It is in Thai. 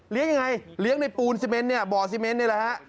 เลี้ยงยังไงเลี้ยงในปูนเซเมนต์บ่อเซเมนต์นี่แหละฮะ